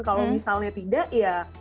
kalau misalnya tidak ya